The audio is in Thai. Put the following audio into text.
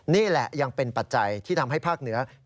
นี่แหละยังเป็นปัจจัยที่ทำให้ภาคเหนือ